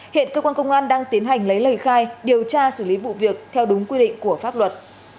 hiện cơ quan công an đang tiến hành lấy lời khai điều tra xử lý vụ việc theo đúng quy định của pháp luật